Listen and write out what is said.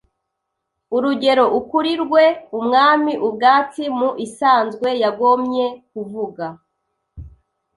Urugero: ukurirwe umwami ubwatsi Mu isanzwe yagomye kuvuga: